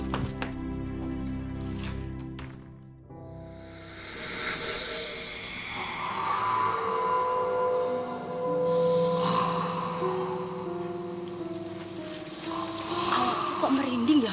awalnya kok merinding ya